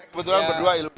saya kebetulan berdua iluni